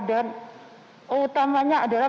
dan utamanya adalah